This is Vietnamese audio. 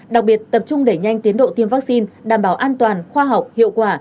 đặc biệt tập trung đẩy nhanh tiến độ tiêm vaccine đảm bảo an toàn khoa học hiệu quả